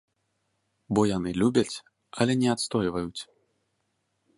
Бо яны любяць, але не адстойваюць.